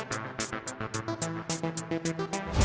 saya sudah sering katakan